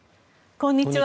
こんにちは。